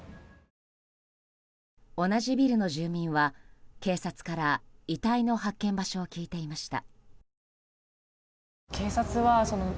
同じビルの住民は、警察から遺体の発見場所を聞いていました。